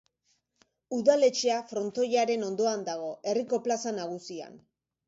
Udaletxea frontoiaren ondoan dago, herriko plaza nagusian.